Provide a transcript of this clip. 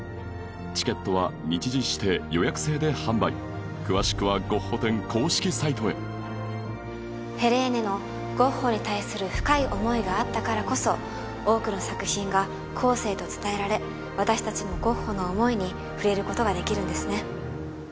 チケットは日時指定予約制で販売詳しくはゴッホ展公式サイトへヘレーネのゴッホに対する深い思いがあったからこそ多くの作品が後世へと伝えられ私たちもゴッホの思いに触れることができるんですね